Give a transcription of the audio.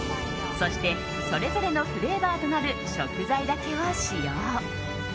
そして、それぞれのフレーバーとなる食材だけを使用。